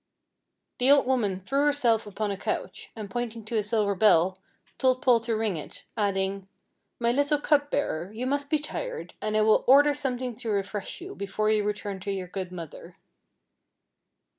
The old woman threw herself upon a couch, and, pointing to a silver bell, told Paul to ring it, adding, "My little cup bearer, you must be tired, and I will order something to refresh you before you return to your good mother."